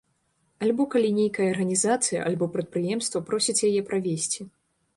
Альбо калі нейкая арганізацыя альбо прадпрыемства просяць яе правесці.